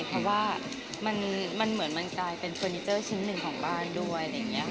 เพราะว่ามันเหมือนมันกลายเป็นเฟอร์นิเจอร์ชิ้นหนึ่งของบ้านด้วยอะไรอย่างนี้ค่ะ